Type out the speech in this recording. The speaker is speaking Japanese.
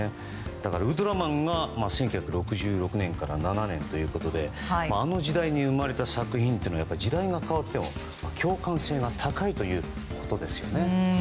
だから「ウルトラマン」が１９６６年から１９６７年ということであの時代に生まれた作品は時代が変わっても共感性が高いということですよね。